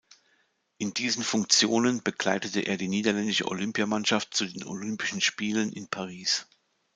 In diesen Funktionen begleitete er die niederländische Olympiamannschaft zu den Olympischen Spielen in Paris.